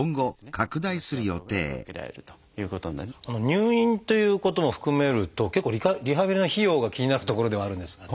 入院ということも含めると結構リハビリの費用が気になるところではあるんですが。